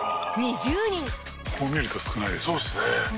「こう見ると少ないですね」